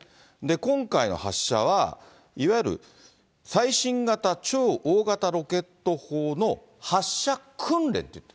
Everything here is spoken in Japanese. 今回の発射はいわゆる最新型・超大型ロケット砲の発射訓練っていってる。